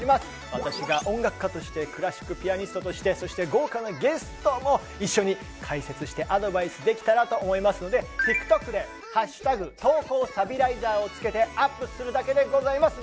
私が音楽家としてクラシックピアニストとしてそして豪華なゲストも一緒に解説してアドバイスできたらと思いますのでＴｉｋＴｏｋで「＃投稿サビライザー」をつけてアップするだけでございます。